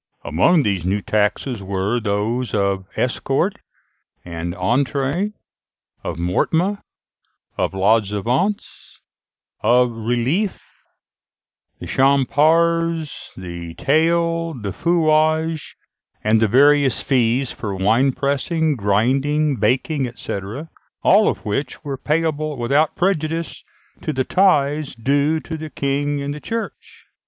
Among these new taxes were those of escorte and entrée, of mortmain, of lods et ventes, of relief, the champarts, the taille, the fouage, and the various fees for wine pressing, grinding, baking, &c., all of which were payable without prejudice to the tithes due to the King and the Church.